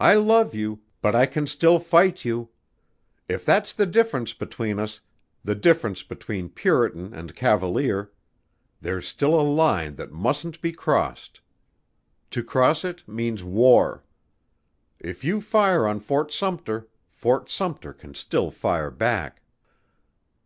I love you, but I can still fight you! If that's the difference between us the difference between puritan and cavalier there's still a line that mustn't be crossed. To cross it means war. If you fire on Fort Sumpter, Fort Sumpter can still fire back."